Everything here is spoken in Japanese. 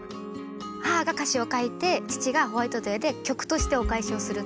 母が歌詞を書いて父がホワイトデーで曲としてお返しをする。